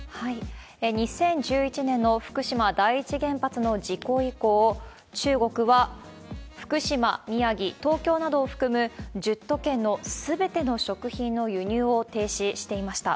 ２０１１年の福島第一原発の事故以降、中国は福島、宮城、東京などを含む１０都県のすべての食品の輸入を停止していました。